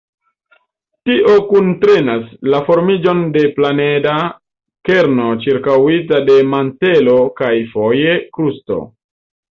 Tio kuntrenas la formiĝon de planeda kerno ĉirkaŭita de mantelo kaj, foje, krusto.